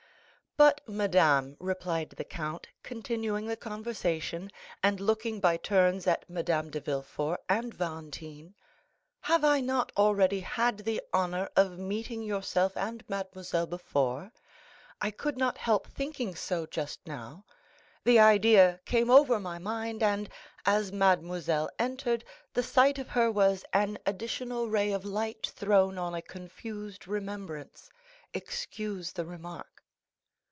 "But, madame," replied the count, continuing the conversation, and looking by turns at Madame de Villefort and Valentine, "have I not already had the honor of meeting yourself and mademoiselle before? I could not help thinking so just now; the idea came over my mind, and as mademoiselle entered the sight of her was an additional ray of light thrown on a confused remembrance; excuse the remark."